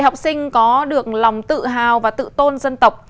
học sinh có được lòng tự hào và tự tôn dân tộc